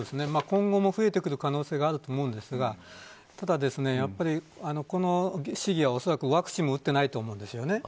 今後も増えてくる可能性があると思うんですがただ、この市議は恐らくワクチンも打っていないと思うんです。